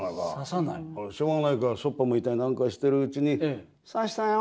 しょうがないからそっぽ向いたりなんかしてるうちに「指したよ」。